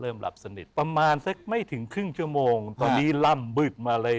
หลับสนิทประมาณสักไม่ถึงครึ่งชั่วโมงตอนนี้ล่ำบึบมาเลย